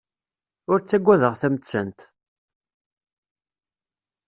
Ur ttagadeɣ tamettant.